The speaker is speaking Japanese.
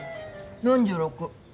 ４６。